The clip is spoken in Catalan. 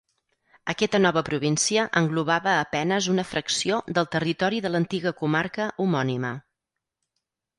Aquesta nova província englobava a penes una fracció del territori de l'antiga comarca homònima.